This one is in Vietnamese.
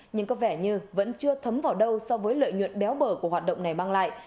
nhưng có vẻ như vẫn chưa thấm vào đâu so với lợi nhuận béo bờ của hoạt động này mang lại